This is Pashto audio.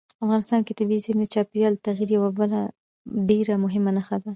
افغانستان کې طبیعي زیرمې د چاپېریال د تغیر یوه بله ډېره مهمه نښه ده.